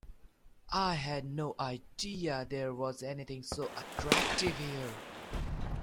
I had no idea there was anything so attractive here.